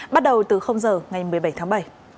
bắt đầu từ giờ ngày một mươi bảy tháng bảy